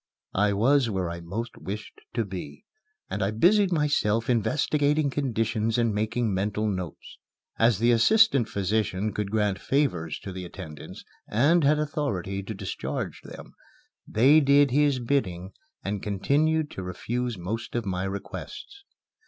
I was where I most wished to be, and I busied myself investigating conditions and making mental notes. As the assistant physician could grant favors to the attendants, and had authority to discharge them, they did his bidding and continued to refuse most of my requests.